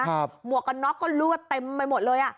หมวกกันน็อกก็ลวดเต็มไปหมดเลยอ่ะ